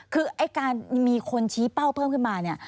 คือการมีคนชี้เป้าเพิ่มขึ้นมา